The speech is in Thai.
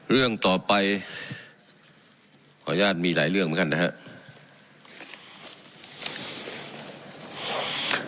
เรื่องต่อไปขออนุญาตมีหลายเรื่องเหมือนกันนะครับ